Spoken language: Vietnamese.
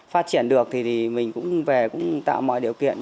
phát triển được thì mình cũng về cũng tạo mọi điều kiện